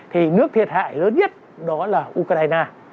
thì nước thiệt hại lớn nhất đó là ukraine